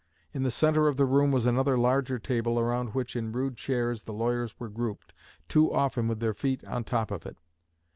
In the center of the room was another larger table around which in rude chairs the lawyers were grouped, too often with their feet on top of it.